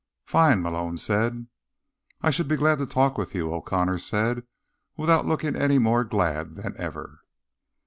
"Fine," Malone said. "I should be glad to talk with you," O'Connor said, without looking any more glad than ever.